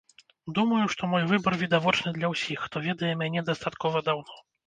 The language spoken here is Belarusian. Думаю, што мой выбар відавочны для ўсіх, хто ведае мяне дастаткова даўно.